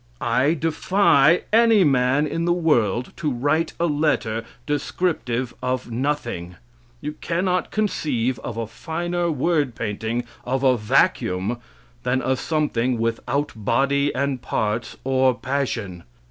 I defy any man in the world to write a letter descriptive of nothing. You can not conceive of a finer word painting of a vacuum than a something without body and parts or passions.